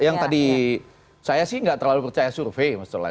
yang tadi saya sih nggak terlalu percaya survei